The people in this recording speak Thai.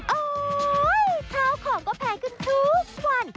ข้าวของก็แพงขึ้นทุกวัน